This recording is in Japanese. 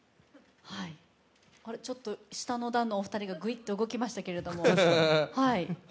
下の段のお二人がグイッと動きましたけれども。